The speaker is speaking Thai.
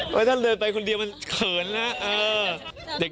เมื่อท่านเดินไปคนเดียวมันเขินนะเออ